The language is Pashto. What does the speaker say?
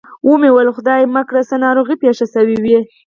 و مې ویل خدای مه کړه څه ناروغي پېښه شوې.